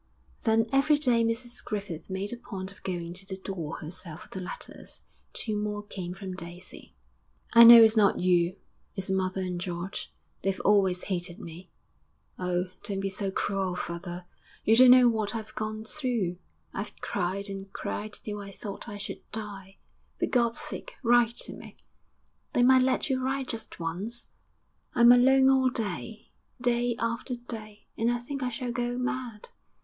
Then every day Mrs Griffith made a point of going to the door herself for the letters. Two more came from Daisy. _'I know it's not you; it's mother and George. They've always hated me. Oh, don't be so cruel, father! You don't know what I've gone through. I've cried and cried till I thought I should die. For God's sake write to me! They might let you write just once. I'm alone all day, day after day, and I think I shall go mad.